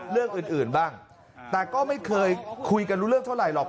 เรื่องอื่นบ้างแต่ก็ไม่เคยคุยกันรู้เรื่องเท่าไหรหรอก